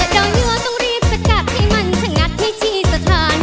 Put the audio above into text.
เจอเดี๋ยวยังต้องรีบจัดกัดให้มันชะงัดให้ที่สถาน